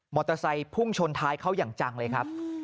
เตอร์ไซค์พุ่งชนท้ายเขาอย่างจังเลยครับ